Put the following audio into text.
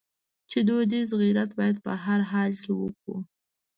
چې دودیز غیرت باید په هر حال کې وکړو.